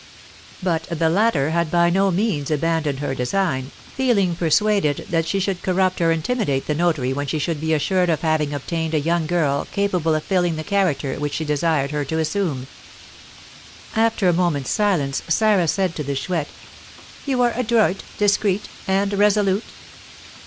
But the latter had by no means abandoned her design, feeling persuaded that she should corrupt or intimidate the notary when she should be assured of having obtained a young girl capable of filling the character which she desired her to assume. After a moment's silence Sarah said to the Chouette, "You are adroit, discreet, and resolute?"